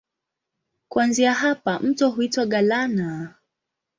Kuanzia hapa mto huitwa Galana.